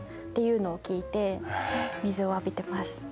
っていうのを聞いて水を浴びてます。